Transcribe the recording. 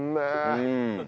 うん。